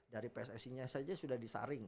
dari pssi nya saja sudah disaring